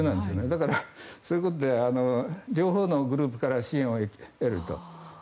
だからそういうことで両方のグループから支援を得ると。